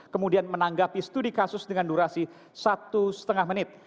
kemudian menanggapi studi kasus dengan durasi satu lima menit